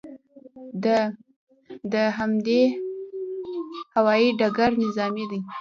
د دهدادي هوايي ډګر نظامي دی